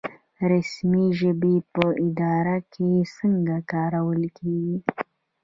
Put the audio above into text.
رسمي ژبې په اداره کې څنګه کارول کیږي؟